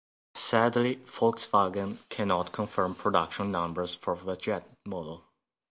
Sadly, Volkswagen cannot confirm production numbers for the Jet model.